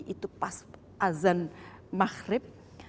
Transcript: itu pas azan mahrib